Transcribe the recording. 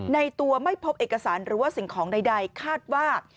ในตัวไม่พบเอกสารหรือว่าสิ่งของใดคาดว่า